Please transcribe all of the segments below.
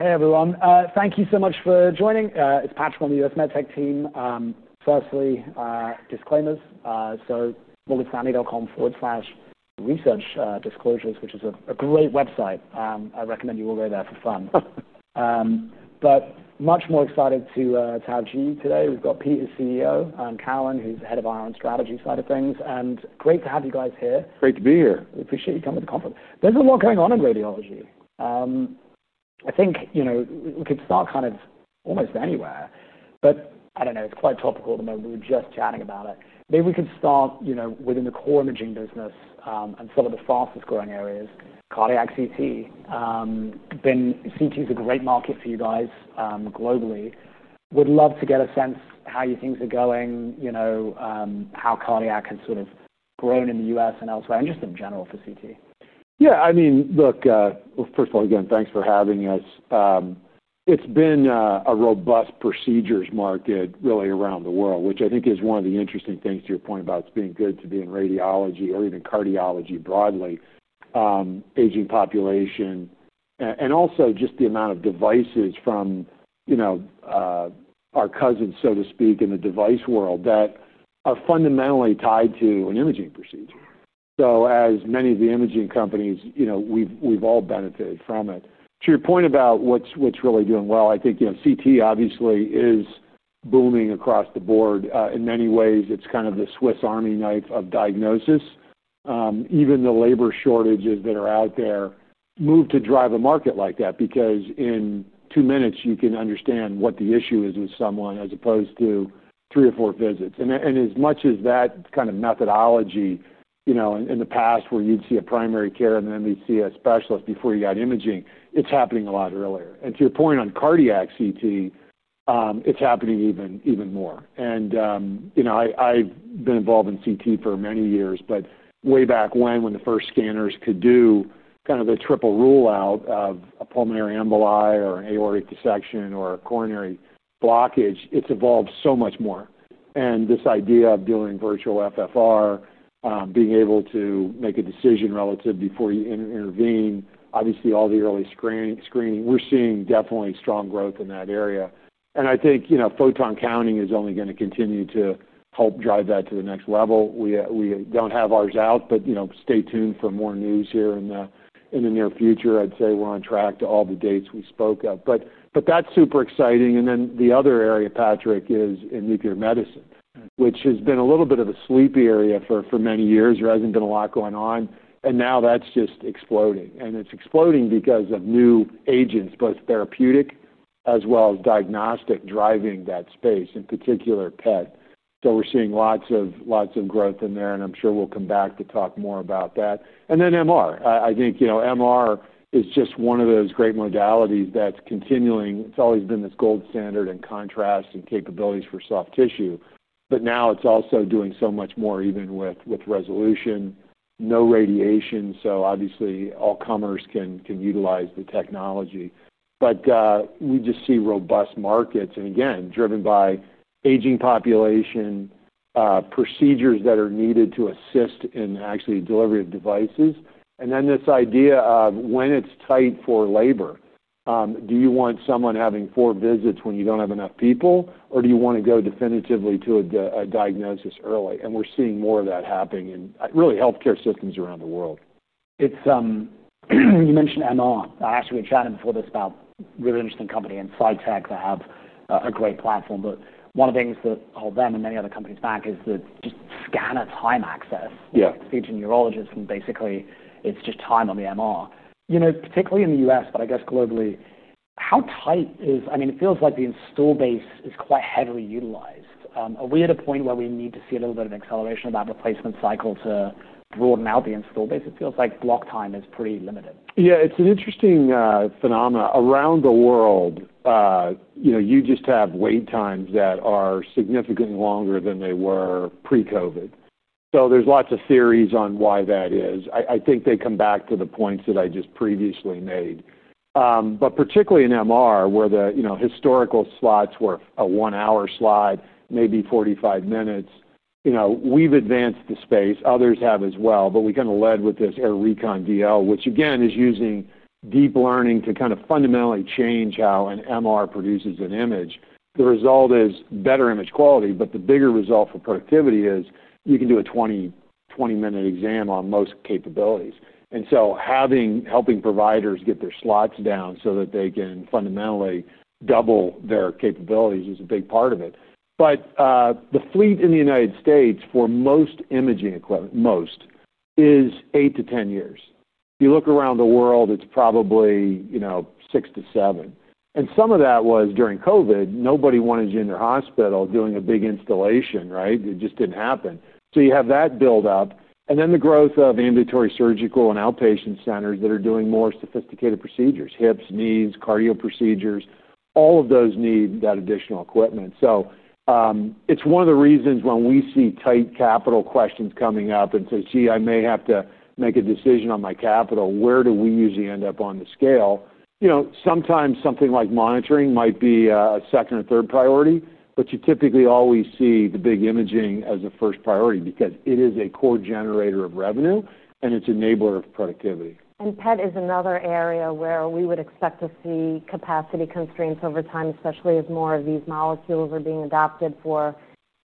Hey, everyone. Thank you so much for joining. It's Patrick on the US MedTech team. Firstly, disclaimers. www.bolixani.com/researchdisclosures, which is a great website. I recommend you all go there for fun. Much more excited to have GE HealthCare today. We've got Peter, CEO, and Carolynne, who's Head of Strategy. Great to have you guys here. Great to be here. We appreciate you coming to the conference. There's a lot going on in radiology. I think we could start kind of almost anywhere. It's quite topical at the moment. We were just chatting about it. Maybe we can start within the core imaging business and some of the fastest growing areas, cardiac CT. CT is a great market for you guys globally. We'd love to get a sense of how your things are going, how cardiac has sort of grown in the U.S. and elsewhere. Interesting in general for CT. Yeah, I mean, look, first of all, again, thanks for having us. It's been a robust procedures market really around the world, which I think is one of the interesting things to your point about it being good to be in radiology or even cardiology broadly. Aging population and also just the amount of devices from, you know, our cousins, so to speak, in the device world that are fundamentally tied to an imaging procedure. As many of the imaging companies, you know, we've all benefited from it. To your point about what's really doing well, I think, you know, CT obviously is booming across the board. In many ways, it's kind of the Swiss Army knife of diagnosis. Even the labor shortages that are out there move to drive a market like that because in two minutes, you can understand what the issue is with someone as opposed to three or four visits. As much as that kind of methodology, you know, in the past where you'd see a primary care and then they'd see a specialist before you got imaging, it's happening a lot earlier. To your point on cardiac CT, it's happening even more. I've been involved in CT for many years, but way back when, when the first scanners could do kind of a triple rule out of a pulmonary emboli or an aortic dissection or a coronary blockage, it's evolved so much more. This idea of doing virtual FFR, being able to make a decision relative before you intervene, obviously all the early screening, we're seeing definitely strong growth in that area. I think photon counting is only going to continue to help drive that to the next level. We don't have ours out, but you know, stay tuned for more news here in the near future. I'd say we're on track to all the dates we spoke of. That's super exciting. The other area, Patrick, is in nuclear medicine, which has been a little bit of a sleepy area for many years. There hasn't been a lot going on. Now that's just exploding. It's exploding because of new agents, both therapeutic as well as diagnostic, driving that space, in particular PET. We're seeing lots of growth in there. I'm sure we'll come back to talk more about that. MR is just one of those great modalities that's continuing. It's always been this gold standard in contrast and capabilities for soft tissue. Now it's also doing so much more even with resolution, no radiation. Obviously, all comers can utilize the technology. We just see robust markets, driven by aging population, procedures that are needed to assist in actually delivery of devices. This idea of when it's tight for labor—do you want someone having four visits when you don't have enough people, or do you want to go definitively to a diagnosis early? We're seeing more of that happening in healthcare systems around the world. You mentioned MR. I actually were chatting before this about a really interesting company in Cytech. They have a great platform. One of the things that hold them and many other companies back is that just scanner time access. Yeah. It's featuring neurologists and basically, it's just time on the MR. You know, particularly in the U.S., but I guess globally, how tight is, I mean, it feels like the install base is quite heavily utilized. Are we at a point where we need to see a little bit of acceleration of that replacement cycle to broaden out the install base? It feels like block time is pretty limited. Yeah, it's an interesting phenomenon. Around the world, you just have wait times that are significantly longer than they were pre-COVID. There are lots of theories on why that is. I think they come back to the points that I just previously made. Particularly in MR, where the historical slots were a one-hour slot, maybe 45 minutes, we've advanced the space. Others have as well. We kind of led with this Air Recon DL, which again is using deep learning to fundamentally change how an MR produces an image. The result is better image quality, but the bigger result for productivity is you can do a 20-minute exam on most capabilities. Having providers get their slots down so that they can fundamentally double their capabilities is a big part of it. The fleet in the U.S. for most imaging equipment, most, is eight to 10 years. If you look around the world, it's probably six to seven. Some of that was during COVID. Nobody wanted you in their hospital doing a big installation, right? It just didn't happen. You have that buildup. The growth of ambulatory, surgical, and outpatient centers that are doing more sophisticated procedures, hips, knees, cardio procedures, all of those need that additional equipment. It's one of the reasons when we see tight capital questions coming up and say, "Gee, I may have to make a decision on my capital. Where do we usually end up on the scale?" Sometimes something like monitoring might be a second or third priority, but you typically always see the big imaging as a first priority because it is a core generator of revenue and it's an enabler of productivity. PET is another area where we would expect to see capacity constraints over time, especially as more of these molecules are being adopted for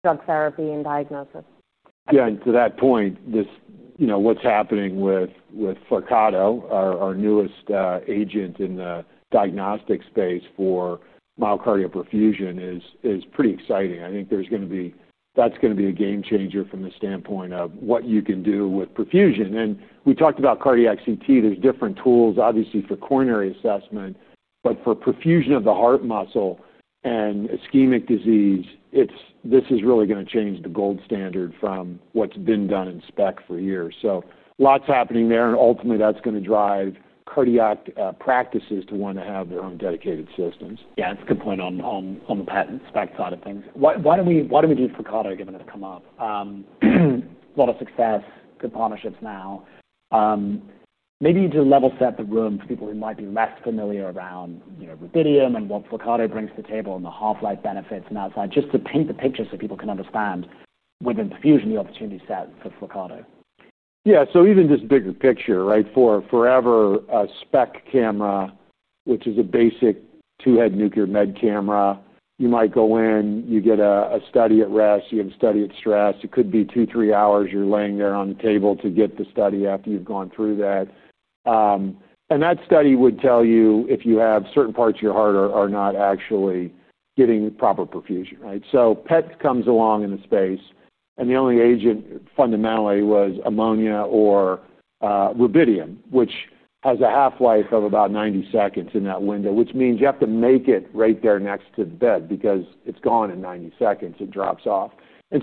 drug therapy and diagnosis. Yeah, and to that point, what's happening with FLCiO, our newest agent in the diagnostic space for myocardial perfusion, is pretty exciting. I think that's going to be a game changer from the standpoint of what you can do with perfusion. We talked about cardiac CT. There are different tools, obviously, for coronary assessment, but for perfusion of the heart muscle and ischemic disease, this is really going to change the gold standard from what's been done in SPECT for years. Lots happening there, and ultimately, that's going to drive cardiac practices to want to have their own dedicated systems. Yeah, that's a good point on the PET and SPECT side of things. Why don't we do FLCiO given that it's come up? A lot of success, good partnerships now. Maybe to level set the room for people who might be less familiar around, you know, Rhodium and what FLCiO brings to the table and the half-life benefits and outside, just to paint the picture so people can understand within perfusion the opportunity set for FLCiO. Yeah, so even just bigger picture, right? Forever a SPECT camera, which is a basic two-head nuclear med camera, you might go in, you get a study at rest, you have a study at stress. It could be two, three hours you're laying there on the table to get the study after you've gone through that. That study would tell you if you have certain parts of your heart are not actually getting proper perfusion, right? PET comes along in the space. The only agent fundamentally was ammonia or rubidium, which has a half-life of about 90 seconds in that window, which means you have to make it right there next to the bed because it's gone in 90 seconds. It drops off.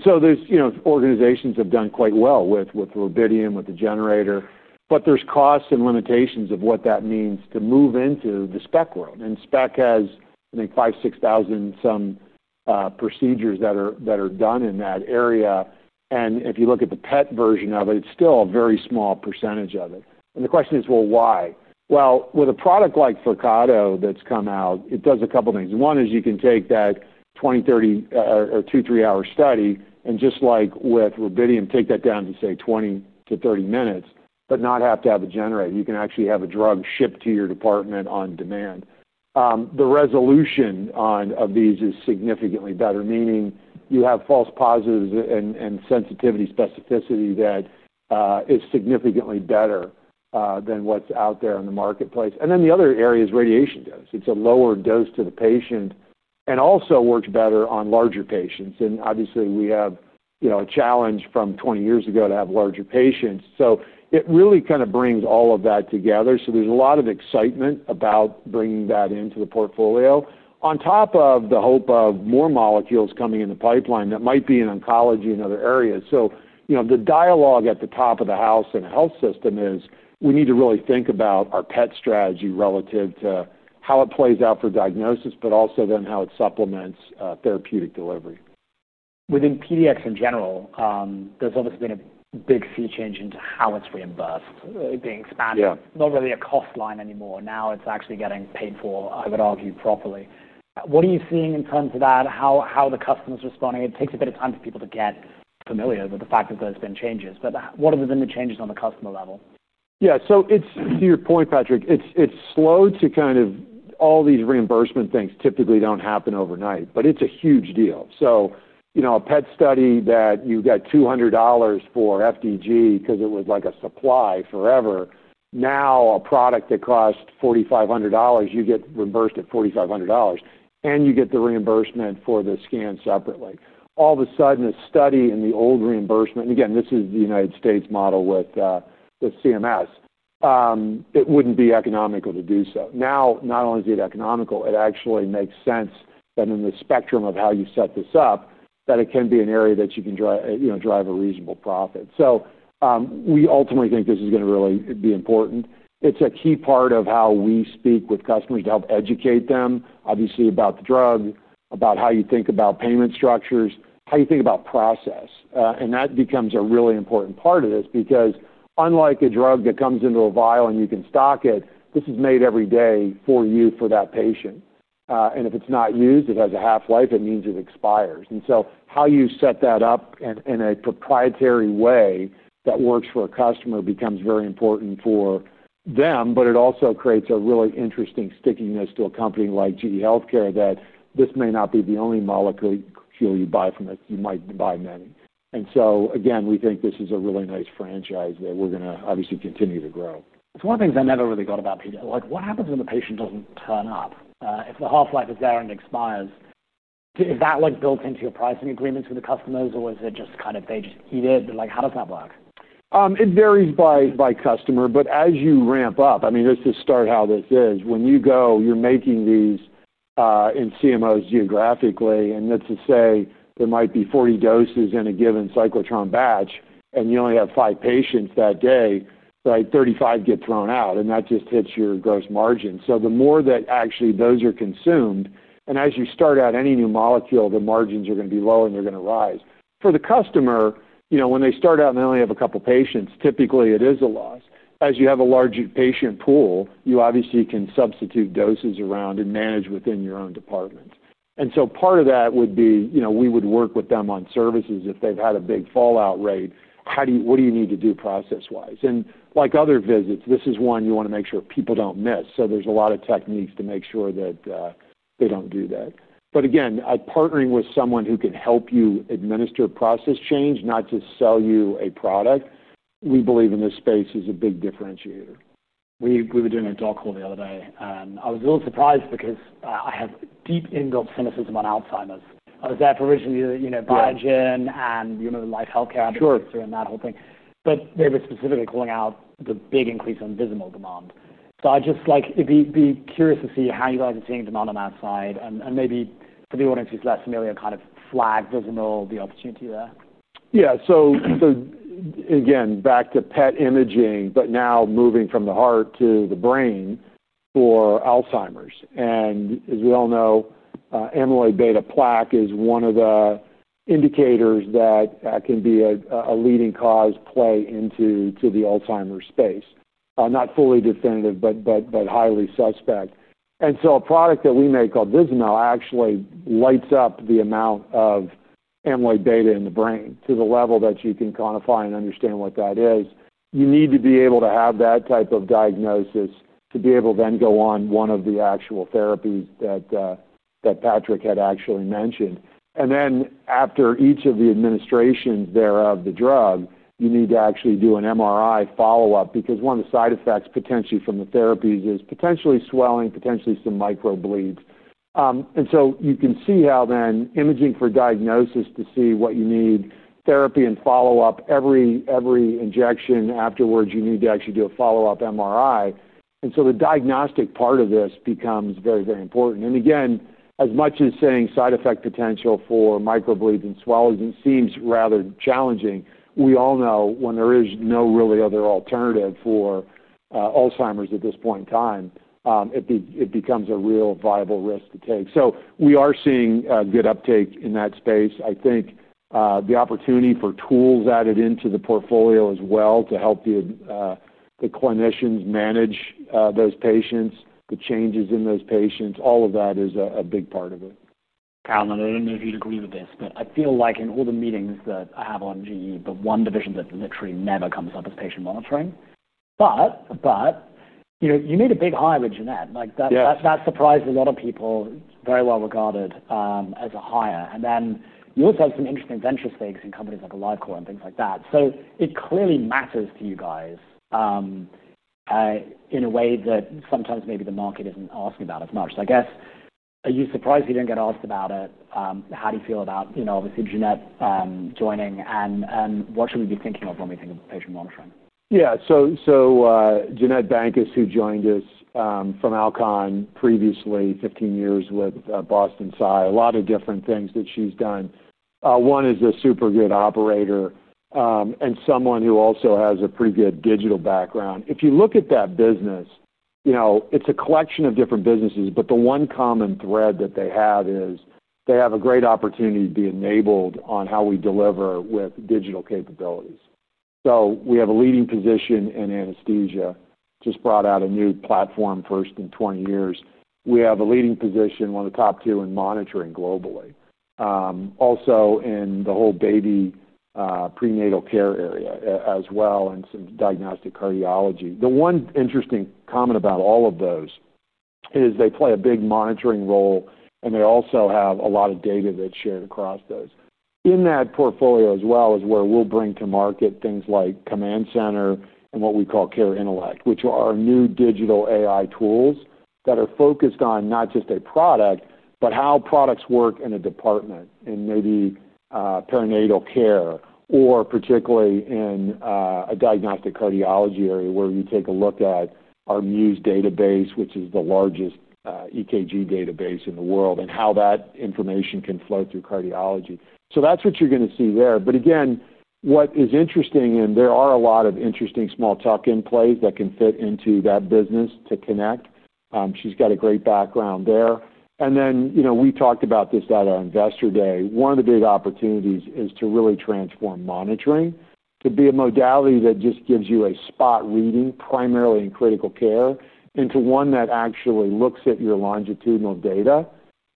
Organizations have done quite well with rubidium, with the generator. There are costs and limitations of what that means to move into the SPECT world. SPECT has, I think, 5,000, 6,000 some procedures that are done in that area. If you look at the PET version of it, it's still a very small percentage of it. The question is, well, why? With a product like FLCiO that's come out, it does a couple of things. One is you can take that 20, 30, or two, three-hour study and just like with rubidium, take that down to say 20 to 30 minutes, but not have to have a generator. You can actually have a drug shipped to your department on demand. The resolution of these is significantly better, meaning you have false positives and sensitivity specificity that is significantly better than what's out there in the marketplace. The other area is radiation dose. It's a lower dose to the patient and also works better on larger patients. Obviously, we have a challenge from 20 years ago to have larger patients. It really kind of brings all of that together. There is a lot of excitement about bringing that into the portfolio on top of the hope of more molecules coming in the pipeline that might be in oncology and other areas. The dialogue at the top of the house in a health system is we need to really think about our PET strategy relative to how it plays out for diagnosis, but also then how it supplements therapeutic delivery. Within PDX in general, there's obviously been a big sea change in how it's reimbursed, being expanded. Yeah. Not really a cost line anymore. Now it's actually getting paid for, I would argue, properly. What are you seeing in terms of that? How are the customers responding? It takes a bit of time for people to get familiar with the fact that there's been changes. What are the changes on the customer level? Yeah, so it's, to your point, Patrick, it's slow to kind of, all these reimbursement things typically don't happen overnight, but it's a huge deal. A PET study that you got $200 for FDG because it was like a supply forever, now a product that costs $4,500, you get reimbursed at $4,500. You get the reimbursement for the scan separately. All of a sudden, a study in the old reimbursement, and again, this is the U.S. model with CMS, it wouldn't be economical to do so. Now, not only is it economical, it actually makes sense that in the spectrum of how you set this up, that it can be an area that you can drive a reasonable profit. We ultimately think this is going to really be important. It's a key part of how we speak with customers to help educate them, obviously, about the drug, about how you think about payment structures, how you think about process. That becomes a really important part of this because unlike a drug that comes into a vial and you can stock it, this is made every day for you for that patient. If it's not used, it has a half-life and means it expires. How you set that up in a proprietary way that works for a customer becomes very important for them, but it also creates a really interesting stickiness to a company like GE HealthCare that this may not be the only molecule you buy from it. You might buy many. We think this is a really nice franchise that we're going to obviously continue to grow. It's one of the things I never really thought about here. Like what happens when the patient doesn't turn up? If the half-life is out and it expires, is that built into your pricing agreements with the customers, or is it just kind of they just eat it? How does that work? It varies by customer, but as you ramp up, let's just start how this is. When you go, you're making these in CMOs geographically, and let's just say there might be 40 doses in a given cyclotron batch, and you only have five patients that day, right? 35 get thrown out, and that just hits your gross margin. The more that actually those are consumed, and as you start out any new molecule, the margins are going to be low and they're going to rise. For the customer, when they start out and they only have a couple of patients, typically it is a loss. As you have a larger patient pool, you obviously can substitute doses around and manage within your own departments. Part of that would be, we would work with them on services if they've had a big fallout rate. What do you need to do process-wise? Like other visits, this is one you want to make sure people don't miss. There are a lot of techniques to make sure that they don't do that. Partnering with someone who can help you administer process change, not just sell you a product, we believe in this space is a big differentiator. We were doing a doc call the other day, and I was a little surprised because I have deep indoor cynicism on Alzheimer's. I was there for a reason, you know, Biogen and your Mobile Life Healthcare during that whole thing. They were specifically calling out the big increase in visible demand. I'd just like to be curious to see how you guys are seeing demand on that side. Maybe for the audience who's less familiar, kind of flag visible the opportunity there. Yeah, so there's again, back to PET imaging, but now moving from the heart to the brain for Alzheimer's. As we all know, amyloid beta plaque is one of the indicators that can be a leading cause play into the Alzheimer's space. Not fully definitive, but highly suspect. A product that we make called Visinal actually lights up the amount of amyloid beta in the brain to the level that you can quantify and understand what that is. You need to be able to have that type of diagnosis to be able to then go on one of the actual therapies that Patrick had actually mentioned. After each of the administration there of the drug, you need to actually do an MRI follow-up because one of the side effects potentially from the therapies is potentially swelling, potentially some microbleeds. You can see how then imaging for diagnosis to see what you need, therapy and follow-up, every injection afterwards, you need to actually do a follow-up MRI. The diagnostic part of this becomes very, very important. As much as saying side effect potential for microbleed and swelling, it seems rather challenging. We all know when there is no really other alternative for Alzheimer's at this point in time, it becomes a real viable risk to take. We are seeing good uptake in that space. I think the opportunity for tools added into the portfolio as well to help the clinicians manage those patients, the changes in those patients, all of that is a big part of it. Carolynne, I don't know if you'd agree with this, but I feel like in all the meetings that I have on GE HealthCare, one division that literally never comes up is patient monitoring. You need a big hire in Ginette. That surprised a lot of people, very well regarded as a hire. You also have some interesting venture stakes in companies like AliveCore and things like that. It clearly matters to you guys in a way that sometimes maybe the market isn't asking about as much. Are you surprised that you didn't get asked about it? How do you feel about Ginette joining and what should we be thinking of when we think of patient monitoring? Yeah, so Ginette Bankus, who joined us from Alcon previously, 15 years with Boston Sci, a lot of different things that she's done. One is a super good operator and someone who also has a pretty good digital background. If you look at that business, you know, it's a collection of different businesses, but the one common thread that they have is they have a great opportunity to be enabled on how we deliver with digital capabilities. We have a leading position in anesthesia, just brought out a new platform first in 20 years. We have a leading position, one of the top two in monitoring globally. Also, in the whole baby prenatal care area as well and some diagnostic cardiology. The one interesting comment about all of those is they play a big monitoring role and they also have a lot of data that's shared across those. In that portfolio as well is where we'll bring to market things like Command Center and what we call Care Intellect, which are new digital AI tools that are focused on not just a product, but how products work in a department in maybe perinatal care or particularly in a diagnostic cardiology area where we take a look at our Muse database, which is the largest EKG database in the world and how that information can flow through cardiology. That's what you're going to see there. What is interesting in there are a lot of interesting small talk in place that can fit into that business to connect. She's got a great background there. You know, we talked about this at our investor day. One of the big opportunities is to really transform monitoring to be a modality that just gives you a spot reading primarily in critical care into one that actually looks at your longitudinal data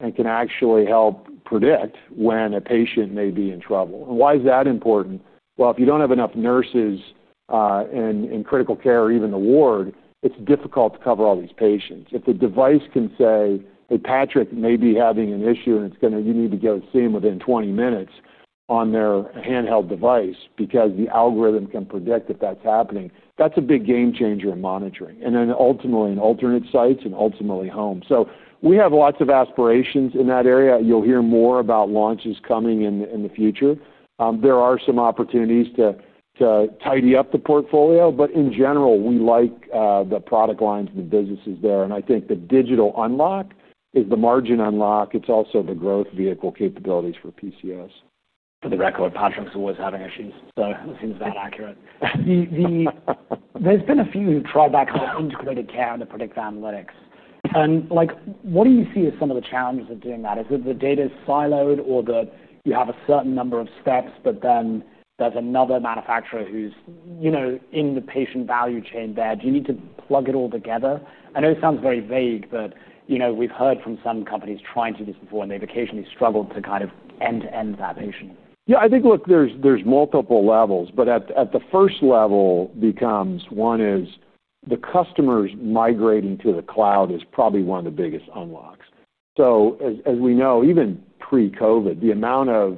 and can actually help predict when a patient may be in trouble. Why is that important? If you don't have enough nurses in critical care or even the ward, it's difficult to cover all these patients. If the device can say, "Hey, Patrick may be having an issue and it's going to, you need to go see him within 20 minutes on their handheld device because the algorithm can predict that that's happening." That's a big game changer in monitoring and ultimately in alternate sites and ultimately home. We have lots of aspirations in that area. You'll hear more about launches coming in the future. There are some opportunities to tidy up the portfolio, but in general, we like the product lines and the businesses there. I think the digital unlock is the margin unlock. It's also the growth vehicle capabilities for PCS. For the record, Patrick's always having issues. It seems very accurate. There's been a few who've tried back home to create a CAD to predict analytics. What do you see as some of the challenges of doing that? Is it the data siloed, or that you have a certain number of steps, but then there's another manufacturer who's in the patient value chain there? Do you need to plug it all together? I know it sounds very vague, but we've heard from some companies trying to do this before and they've occasionally struggled to kind of end to end that patient. Yeah, I think look, there's multiple levels, but at the first level, one is the customers migrating to the cloud is probably one of the biggest unlocks. As we know, even pre-COVID, the amount of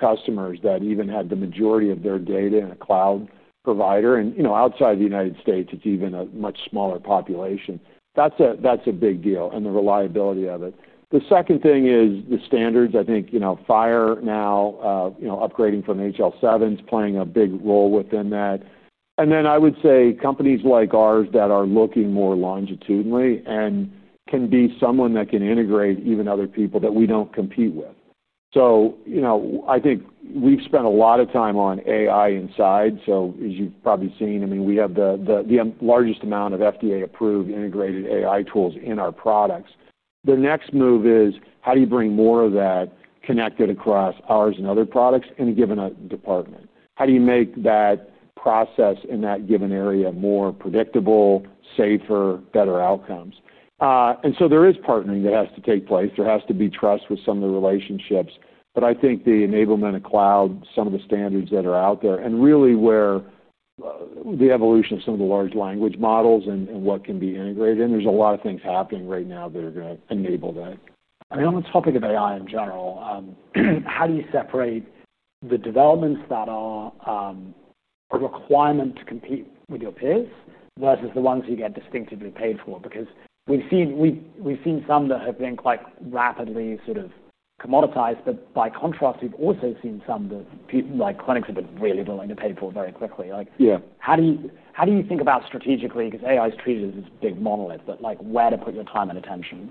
customers that even had the majority of their data in a cloud provider, and you know, outside the U.S., it's even a much smaller population. That's a big deal and the reliability of it. The second thing is the standards. I think, you know, FHIR now, you know, upgrading from the HL7 is playing a big role within that. I would say companies like ours that are looking more longitudinally and can be someone that can integrate even other people that we don't compete with. I think we've spent a lot of time on AI inside. As you've probably seen, we have the largest amount of FDA-approved integrated AI tools in our products. The next move is how do you bring more of that connected across ours and other products in a given department? How do you make that process in that given area more predictable, safer, better outcomes? There is partnering that has to take place. There has to be trust with some of the relationships. I think the enablement of cloud, some of the standards that are out there, and really where the evolution of some of the large language models and what can be integrated in, there's a lot of things happening right now that are going to enable that. On the topic of AI in general, how do you separate the developments that are a requirement to compete with your peers versus the ones you get distinctively paid for? We've seen some that have been rapidly sort of commoditized. By contrast, we've also seen some that clinics have been really willing to pay for very quickly. How do you think about strategically, because AI is treated as this big monolith, but where to put your time and attention?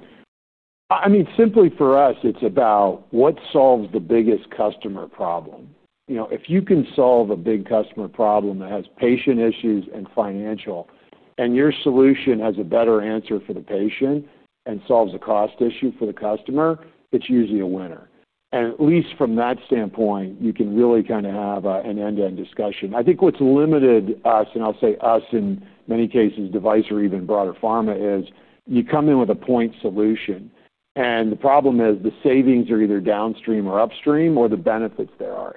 I mean, simply for us, it's about what solves the biggest customer problem. You know, if you can solve a big customer problem that has patient issues and financial, and your solution has a better answer for the patient and solves a cost issue for the customer, it's usually a winner. At least from that standpoint, you can really kind of have an end-to-end discussion. I think what's limited us, and I'll say us in many cases, device or even broader pharma, is you come in with a point solution. The problem is the savings are either downstream or upstream or the benefits there are.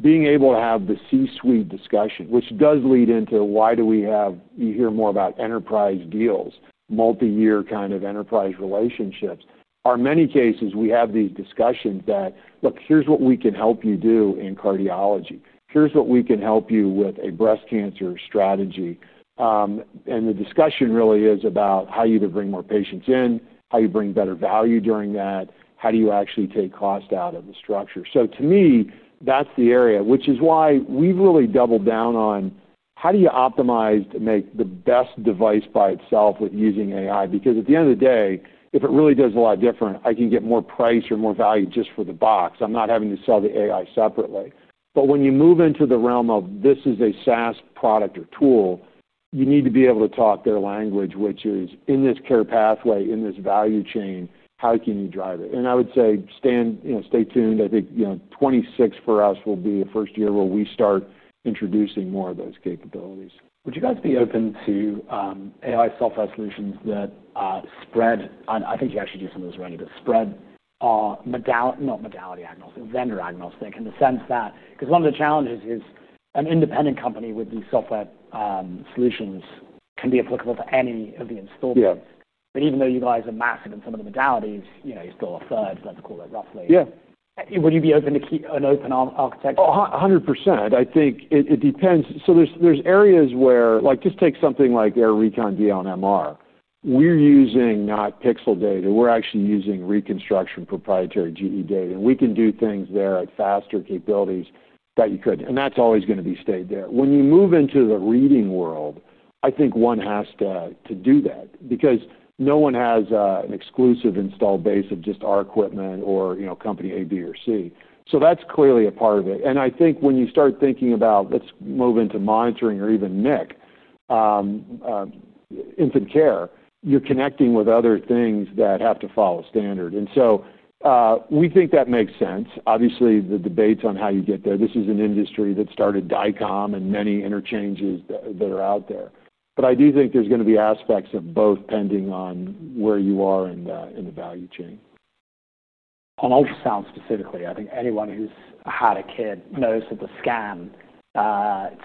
Being able to have the C-suite discussion, which does lead into why do we have, you hear more about enterprise deals, multi-year kind of enterprise relationships, are many cases we have these discussions that, look, here's what we can help you do in cardiology. Here's what we can help you with a breast cancer strategy. The discussion really is about how you either bring more patients in, how you bring better value during that, how do you actually take cost out of the structure. To me, that's the area, which is why we've really doubled down on how do you optimize to make the best device by itself with using AI? Because at the end of the day, if it really does a lot different, I can get more price or more value just for the box. I'm not having to sell the AI separately. When you move into the realm of this is a SaaS product or tool, you need to be able to talk their language, which is in this care pathway, in this value chain, how can you drive it? I would say stay tuned. I think, you know, 2026 for us will be the first year where we start introducing more of those capabilities. Would you guys be open to AI software solutions that spread, and I think you actually do some of those already, but spread our modality, not modality agnostic, vendor agnostic in the sense that, because one of the challenges is an independent company with these software solutions can be applicable to any of the installments. Even though you guys are massive in some of the modalities, you know, you're still a third, let's call it roughly. Yeah. Would you be open to keep an open architecture? Oh, 100%. I think it depends. There's areas where, like just take something like Air Recon DL and MR. We're using not pixel data. We're actually using reconstruction proprietary GE data, and we can do things there at faster capabilities that you could. That's always going to be stayed there. When you move into the reading world, I think one has to do that because no one has an exclusive install base of just our equipment or, you know, company A, B, or C. That's clearly a part of it. I think when you start thinking about, let's move into monitoring or even NIC, infant care, you're connecting with other things that have to follow standard. We think that makes sense. Obviously, the debates on how you get there, this is an industry that started DICOM and many interchanges that are out there. I do think there's going to be aspects of both pending on where you are in the value chain. On ultrasound specifically, I think anyone who's had a kid knows that the scan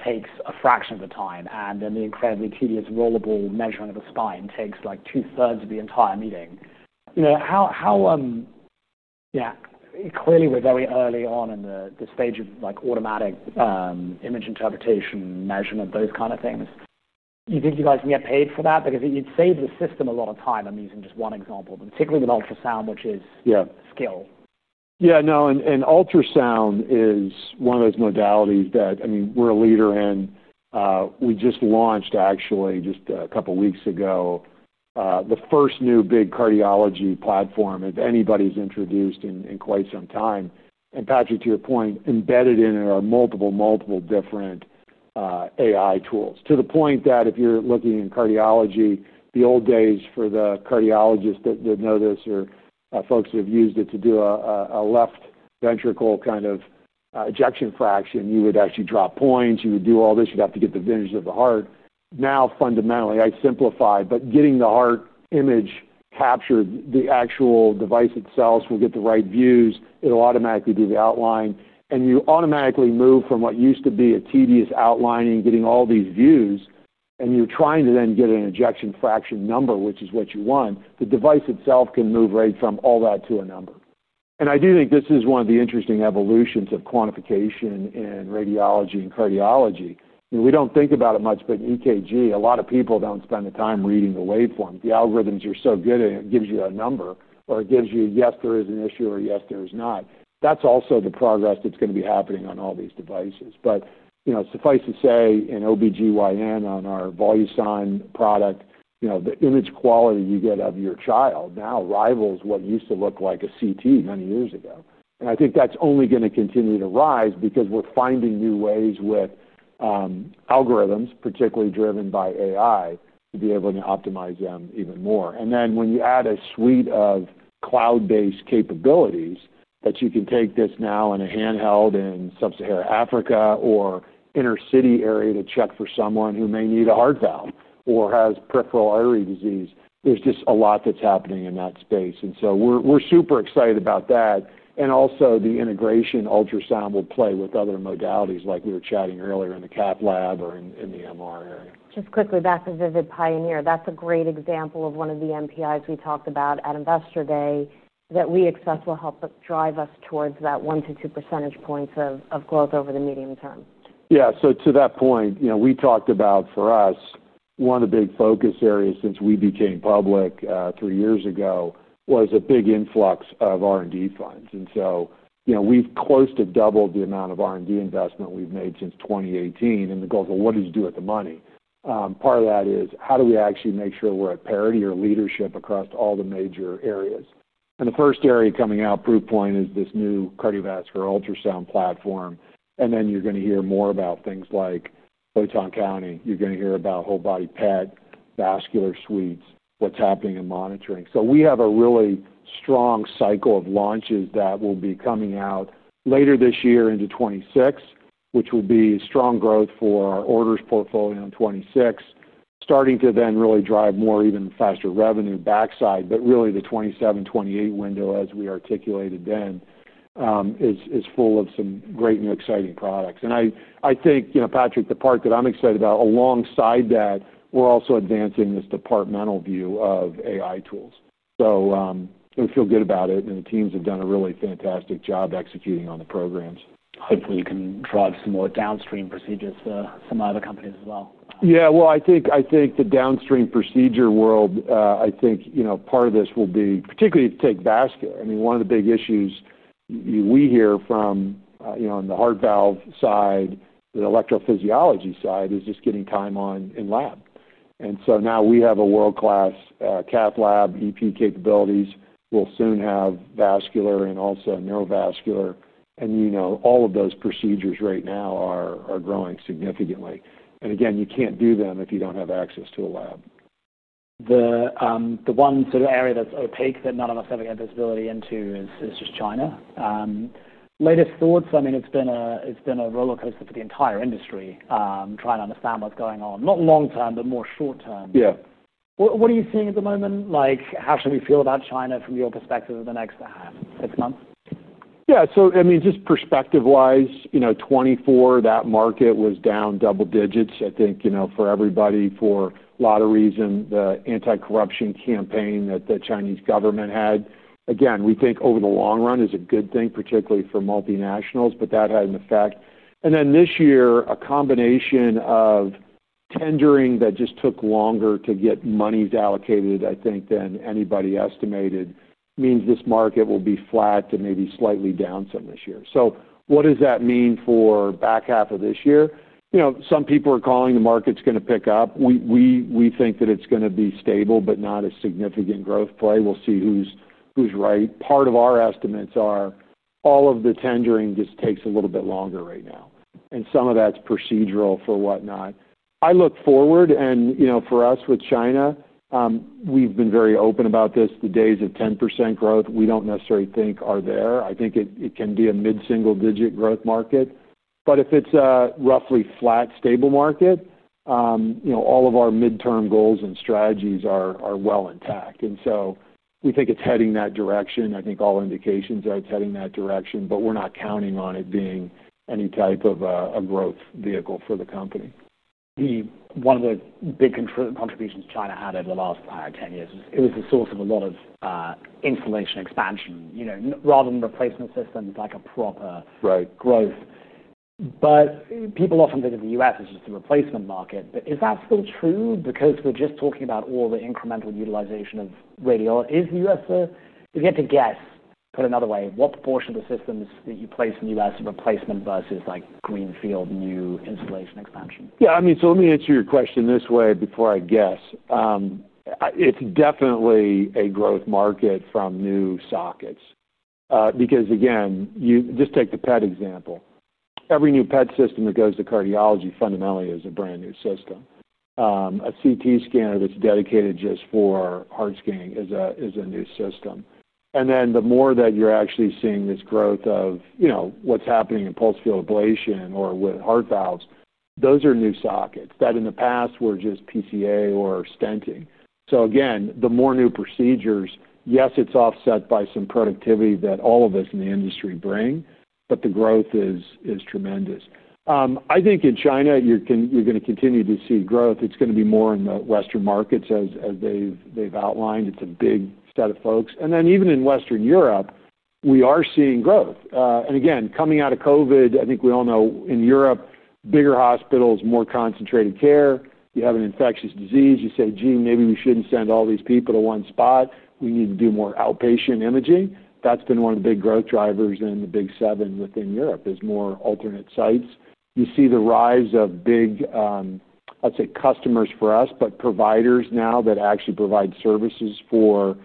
takes a fraction of the time, and then the incredibly tedious rollable measurement of the spine takes like two-thirds of the entire meeting. Clearly, we're very early on in the stage of like automatic image interpretation, measurement, those kind of things. You think you guys can get paid for that? Because it saves the system a lot of time. I'm using just one example, but particularly with ultrasound, which is a skill. Yeah, no, and ultrasound is one of those modalities that, I mean, we're a leader in. We just launched actually just a couple of weeks ago the first new big cardiology platform that anybody's introduced in quite some time. Patrick, to your point, embedded in it are multiple, multiple different AI tools. To the point that if you're looking in cardiology, the old days for the cardiologists that know this or folks who have used it to do a left ventricle kind of ejection fraction, you would actually drop points. You would do all this. You'd have to get the vintage of the heart. Now, fundamentally, I simplified, but getting the heart image captured, the actual device itself will get the right views. It'll automatically do the outline. You automatically move from what used to be a tedious outlining, getting all these views, and you're trying to then get an ejection fraction number, which is what you want. The device itself can move right from all that to a number. I do think this is one of the interesting evolutions of quantification in radiology and cardiology. We don't think about it much, but in EKG, a lot of people don't spend the time reading the waveform. The algorithms are so good, and it gives you a number, or it gives you, yes, there is an issue, or yes, there is not. That's also the progress that's going to be happening on all these devices. Suffice to say, in OB-GYN on our Volusign product, the image quality you get out of your child now rivals what used to look like a CT many years ago. I think that's only going to continue to rise because we're finding new ways with algorithms, particularly driven by AI, to be able to optimize them even more. When you add a suite of cloud-based capabilities that you can take this now in a handheld in Sub-Saharan Africa or inner city area to check for someone who may need a heart valve or has peripheral artery disease, there's just a lot that's happening in that space. We are super excited about that. Also, the integration ultrasound will play with other modalities like we were chatting earlier in the CAP lab or in the MR area. Just quickly back to Vscan Air SL, that's a great example of one of the MPIs we talked about at Investor Day that we expect will help drive us towards that 1% to 2% of growth over the medium term. Yeah, to that point, we talked about for us, one of the big focus areas since we became public three years ago was a big influx of R&D funds. We've close to doubled the amount of R&D investment we've made since 2018. The goal is, what do you do with the money? Part of that is how do we actually make sure that we're at parity or leadership across all the major areas? The first area coming out, proof point, is this new cardiovascular ultrasound platform. You're going to hear more about things like FLCiO. You're going to hear about whole body PET, vascular suites, what's happening in monitoring. We have a really strong cycle of launches that will be coming out later this year into 2026, which will be strong growth for our orders portfolio in 2026, starting to then really drive more even faster revenue backside. The 2027, 2028 window, as we articulated then, is full of some great new exciting products. I think, Patrick, the part that I'm excited about alongside that, we're also advancing this departmental view of AI tools. I feel good about it. The teams have done a really fantastic job executing on the programs. Hopefully, you can drive some more downstream procedures for some other companies as well. I think the downstream procedure world, part of this will be particularly to take vascular. I mean, one of the big issues we hear from, you know, on the heart valve side, the electrophysiology side is just getting time on in lab. Now we have a world-class CAP lab, EP capabilities. We'll soon have vascular and also neurovascular. All of those procedures right now are growing significantly. You can't do them if you don't have access to a lab. The one sort of area that's opaque that not enough evidence is building into is just China. Latest thoughts, I mean, it's been a roller coaster for the entire industry trying to understand what's going on, not long term, but more short term. Yeah. What are you seeing at the moment? How should we feel about China from your perspective in the next six months? Yeah, so I mean, just perspective-wise, you know, 2024, that market was down double digits, I think, you know, for everybody, for a lot of reasons. The anti-corruption campaign that the Chinese government had, again, we think over the long run is a good thing, particularly for multinationals, but that had an effect. This year, a combination of tendering that just took longer to get money allocated, I think, than anybody estimated means this market will be flat to maybe slightly down some this year. What does that mean for the back half of this year? Some people are calling the market's going to pick up. We think that it's going to be stable, but not a significant growth play. We'll see who's right. Part of our estimates are all of the tendering just takes a little bit longer right now. Some of that's procedural for whatnot. I look forward, and you know, for us with China, we've been very open about this. The days of 10% growth, we don't necessarily think are there. I think it can be a mid-single-digit growth market. If it's a roughly flat stable market, you know, all of our midterm goals and strategies are well intact. We think it's heading that direction. I think all indications are it's heading that direction, but we're not counting on it being any type of a growth vehicle for the company. One of the big contributions China had over the last five or 10 years was it was the source of a lot of installation expansion, you know, rather than replacement systems like a proper growth. People often think of the U.S., which is the replacement market. Is that still true? We're just talking about all the incremental utilization of radiology. Is the U.S., if you had to guess, put it another way, what proportion of the systems that you place in the U.S. are replacement versus like greenfield new installation expansion? Yeah, I mean, let me answer your question this way. It's definitely a growth market from new sockets because, again, you just take the PET example. Every new PET system that goes to cardiology fundamentally is a brand new system. A CT scanner that's dedicated just for heart scanning is a new system. The more that you're actually seeing this growth of what's happening in pulse field ablation or with heart valves, those are new sockets that in the past were just PCA or stenting. The more new procedures, yes, it's offset by some productivity that all of us in the industry bring, but the growth is tremendous. I think in China, you're going to continue to see growth. It's going to be more in the Western markets as they've outlined. It's a big set of folks. Even in Western Europe, we are seeing growth. Coming out of COVID, I think we all know in Europe, bigger hospitals, more concentrated care. You have an infectious disease. You say, gee, maybe we shouldn't send all these people to one spot. We need to do more outpatient imaging. That's been one of the big growth drivers in the big seven within Europe, more alternate sites. You see the rise of big, let's say, customers for us, but providers now that actually provide services for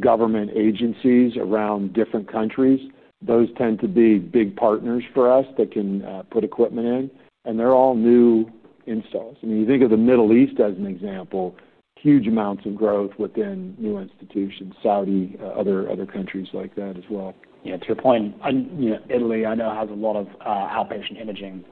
government agencies around different countries. Those tend to be big partners for us that can put equipment in, and they're all new installs. You think of the Middle East as an example, huge amounts of growth within new institutions, Saudi, other countries like that as well. Yeah, to your point, you know, Italy, I know, has a lot of outpatient imaging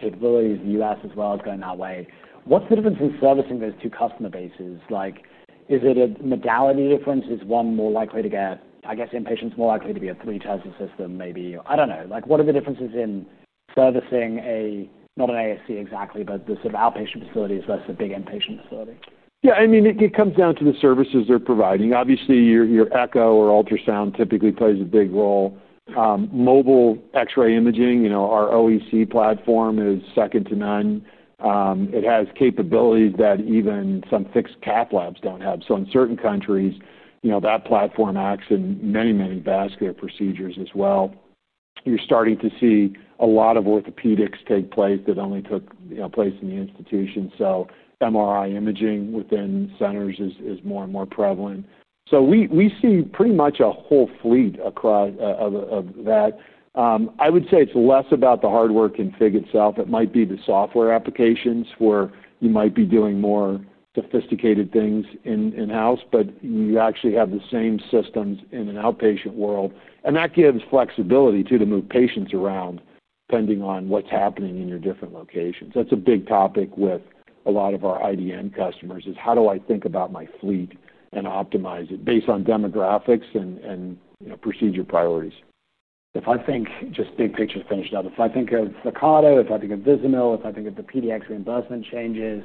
capabilities. The U.S. as well is going that way. What's the difference in servicing those two customer bases? Like, is it a modality difference? Is one more likely to get, I guess, inpatients more likely to be a three-terminal system maybe? I don't know. What are the differences in servicing a, not an ASC exactly, but the sort of outpatient facility is less a big inpatient facility? Yeah, I mean, it comes down to the services they're providing. Obviously, your echo or ultrasound typically plays a big role. Mobile X-ray imaging, you know, our OEC platform is second to none. It has capabilities that even some fixed cath labs don't have. In certain countries, that platform acts in many, many vascular procedures as well. You're starting to see a lot of orthopedics take place that only took place in the institution. MRI imaging within centers is more and more prevalent. We see pretty much a whole fleet of that. I would say it's less about the hardware config itself. It might be the software applications where you might be doing more sophisticated things in-house, but you actually have the same systems in an outpatient world. That gives flexibility too to move patients around depending on what's happening in your different locations. That's a big topic with a lot of our IDN customers, how do I think about my fleet and optimize it based on demographics and procedure priorities. If I think just big picture, finish it up, if I think of Saccaro, if I think of Visional, if I think of the PDX reimbursement changes,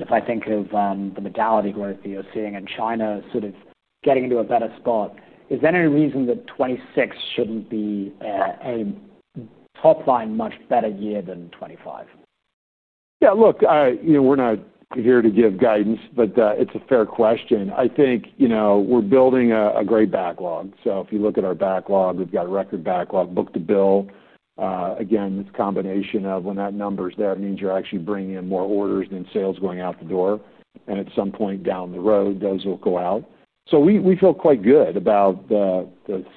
if I think of the modality growth that you're seeing in China sort of getting into a better spot, is there any reason that 2026 shouldn't be a top line much better year than 2025? Yeah, look, you know, we're not here to give guidance, but it's a fair question. I think, you know, we're building a great backlog. If you look at our backlog, we've got a record backlog book to bill. This combination of when that number is there, it means you're actually bringing in more orders than sales going out the door. At some point down the road, those will go out. We feel quite good about the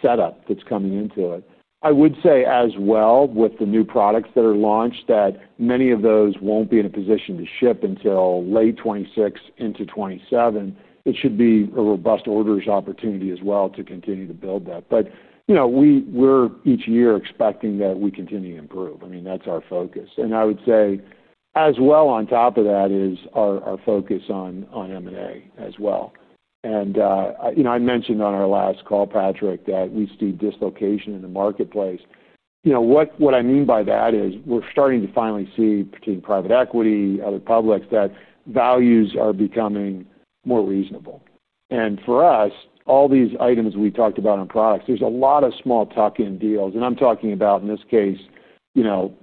setup that's coming into it. I would say as well with the new products that are launched that many of those won't be in a position to ship until late 2026 into 2027. It should be a robust orders opportunity as well to continue to build that. Each year we're expecting that we continue to improve. That's our focus. I would say as well on top of that is our focus on M&A as well. I mentioned on our last call, Patrick, that we see dislocation in the marketplace. What I mean by that is we're starting to finally see between private equity, other publics, that values are becoming more reasonable. For us, all these items we talked about on products, there's a lot of small talk in deals. I'm talking about in this case, $100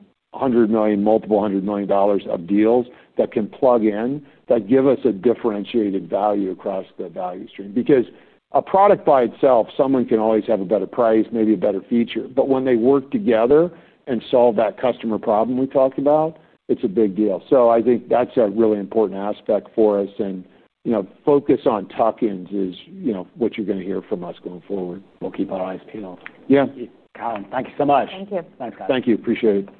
million, multiple hundred million dollars of deals that can plug in that give us a differentiated value across the value stream. A product by itself, someone can always have a better price, maybe a better feature. When they work together and solve that customer problem we talked about, it's a big deal. I think that's a really important aspect for us. Focus on talk-ins is what you're going to hear from us going forward. We'll keep our eyes peeled. Carolynne, thank you so much. Thank you. Thanks, guys. Thank you. Appreciate it.